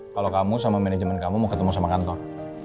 kalau kamu sama manajemen kamu mau ketemu sama kantor